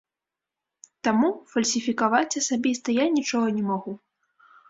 Таму фальсіфікаваць асабіста я нічога не магу.